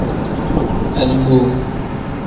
Aliboo.